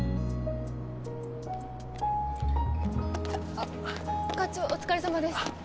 あっ課長お疲れさまです。